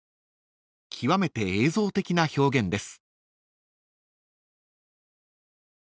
［極めて映像的な表現です］